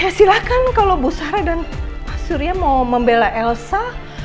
ya silahkan kalau bu sarah dan pak surya mau membela elsa